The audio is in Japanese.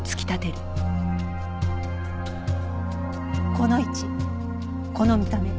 この位置この見た目。